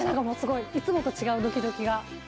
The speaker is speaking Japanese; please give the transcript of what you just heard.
いつもと違うドキドキが。